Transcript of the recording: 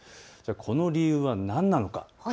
この理由は何なのか。